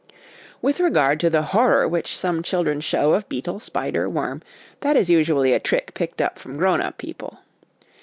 With regard to the horror which some children show of beetle, spider, worm, that is usually a trick picked up from grown up people.